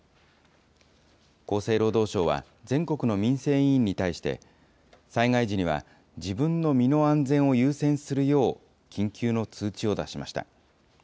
厚生労働省は全国の民生委員に対して、災害時には自分の身の安全を優先するよう緊急の通知を出しました。